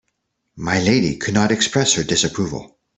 My lady could not express her disapproval.